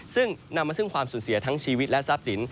ซึ่งนำมาซึ่งความสูญเสียทั้งชีวิตและทรัพย์สิน